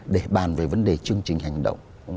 để bàn về vấn đề chương trình hành động